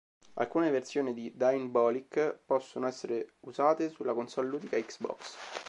Alcune versioni di dyne:bolic possono essere usate sulla console ludica Xbox.